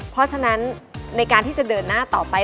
เพราะฉะนั้นในการที่จะเดินหน้าต่อไป